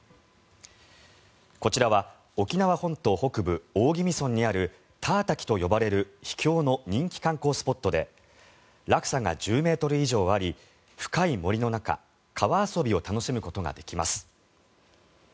こちらは沖縄本島北部大宜味村にあるター滝と呼ばれる秘境の人気観光スポットで落差が１０ｍ以上あり深い森の中川遊びを楽しむことができます。